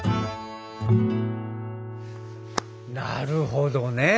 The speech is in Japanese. なるほどね。